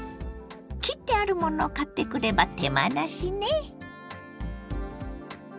切ってあるものを買ってくれば手間なしね。